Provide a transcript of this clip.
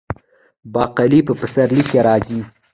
باقلي په پسرلي کې راځي.